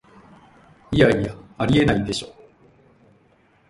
いやいや、ありえないでしょ